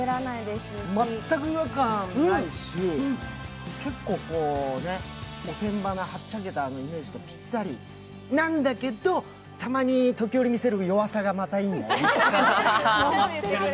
全く違和感ないし、結構おてんばなはっちゃけたイメージにぴったりなんだけど時折見せる弱さがまたいいんだよね。